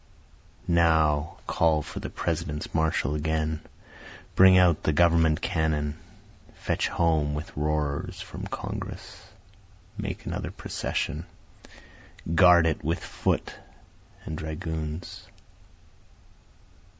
Now call for the President's marshal again, bring out the government cannon, Fetch home the roarers from Congress, make another procession, guard it with foot and dragoons.